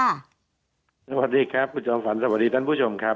สวัสดีครับคุณจอมฝันสวัสดีท่านผู้ชมครับ